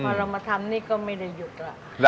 พอเรามาทำนี่ก็ไม่ได้หยุดแล้ว